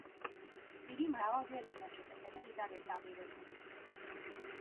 იგი მრავალჯერ იქნა შეკეთებული და რესტავრირებული.